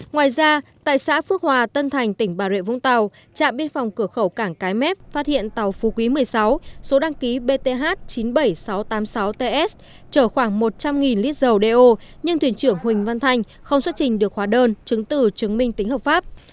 ngoài ra tại xã phước hòa tân thành tỉnh bà rịa vũng tàu trạm biên phòng cửa khẩu cảng cái mép phát hiện tàu phú quý một mươi sáu số đăng ký bth chín mươi bảy nghìn sáu trăm tám mươi sáu ts chở khoảng một trăm linh lít dầu đeo nhưng thuyền trưởng huỳnh văn thanh không xuất trình được khóa đơn chứng từ chứng minh tính hợp pháp